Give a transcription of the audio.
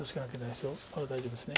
まだ大丈夫ですね。